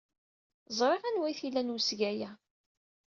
Ẓriɣ anwa ay t-ilan wesga-a.